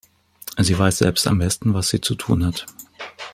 Sie weiß selbst am besten, was sie zu tun hat.